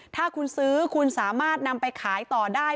ถ้าคุณซื้อคุณสามารถนำไปขายต่อได้